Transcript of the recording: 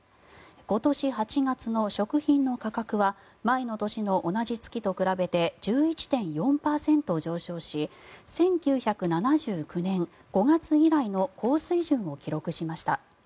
今年８月の食品の価格は前の年の同じ月と比べて１１．４％上昇し１９７９年５月以来の高水準を記録しました。